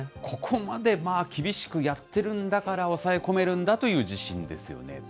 ここまで厳しくやってるんだから、抑え込めるんだという自信ですよね。